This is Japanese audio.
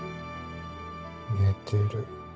寝てる。